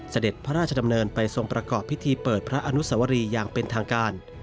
เสด็จพระราชดำเนินไปทรงประกอบพิธีเปิดพระอนุสวรีอย่างเป็นทางการ